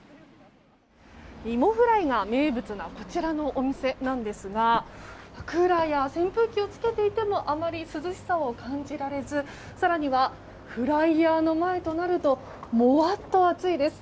いもフライが名物なこちらのお店なんですがクーラーや扇風機をつけていてもあまり涼しさを感じられず更にはフライヤーの前となるともわっと暑いです。